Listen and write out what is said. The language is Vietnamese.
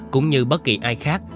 cũng như bất kỳ ai khác